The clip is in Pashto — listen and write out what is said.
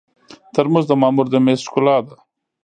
ترموز د مامور د مېز ښکلا ده.